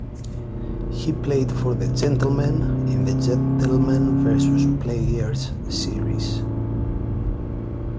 He played for the Gentlemen in the Gentlemen v Players series.